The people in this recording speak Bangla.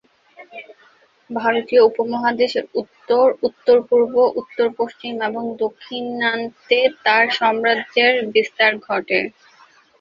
ভারতীয় উপমহাদেশের উত্তর, উত্তর-পূর্ব, উত্তর-পশ্চিম এবং দাক্ষিণাত্যে তাঁর সাম্রাজ্যের বিস্তার ঘটে।